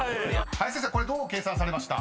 ［林先生どう計算されました？］